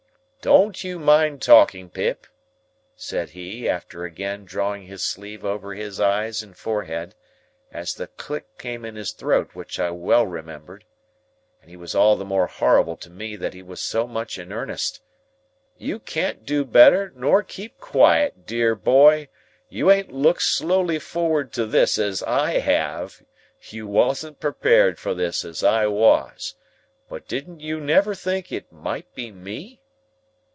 "Don't you mind talking, Pip," said he, after again drawing his sleeve over his eyes and forehead, as the click came in his throat which I well remembered,—and he was all the more horrible to me that he was so much in earnest; "you can't do better nor keep quiet, dear boy. You ain't looked slowly forward to this as I have; you wosn't prepared for this as I wos. But didn't you never think it might be me?"